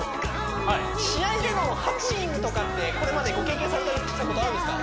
はい試合でのハプニングとかってこれまでご経験されたりしたことあるんですか？